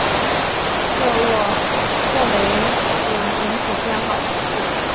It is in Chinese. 沃雷普人口变化图示